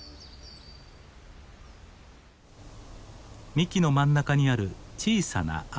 幹の真ん中にある小さな穴。